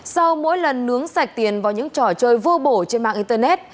sau mỗi lần nướng sạch tiền vào những trò chơi vô bổ trên mạng internet